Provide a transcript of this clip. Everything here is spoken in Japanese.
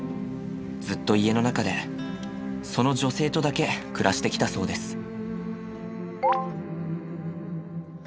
ずっと家の中でその女性とだけ暮らしてきたそうです。